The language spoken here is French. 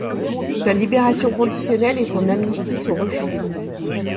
Sa libération conditionnelle et son amnistie sont refusées.